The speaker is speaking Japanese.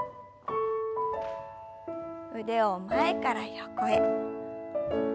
腕を前から横へ。